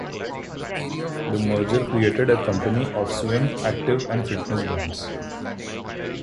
The merger created a company of swim, active and fitness brands.